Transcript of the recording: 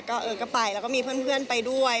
ก็ไปแล้วก็มีเพื่อนไปด้วย